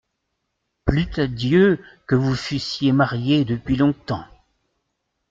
Plût à Dieu que vous fussiez mariée depuis longtemps !